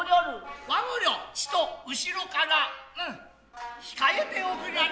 和御寮ちと後から控えておくりやれ。